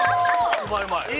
◆うまいうまい。